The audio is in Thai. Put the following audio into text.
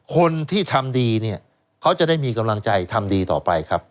คนที่ทำดีเนี่ยเขาจะได้มีกำลังใจทำดีต่อไปครับ